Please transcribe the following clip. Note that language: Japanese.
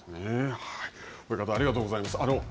親方、ありがとうございます。